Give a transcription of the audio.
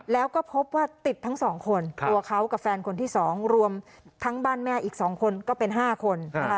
แล้วก็พบว่าติดทั้ง๒คนตัวเขากับแฟนคนที่๒รวมทั้งบ้านแม่อีก๒คนก็เป็น๕คน